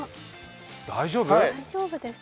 大丈夫？